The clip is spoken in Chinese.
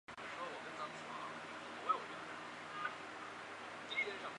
道雪重整休松的友军后往西南转进筑后山隈城撤退。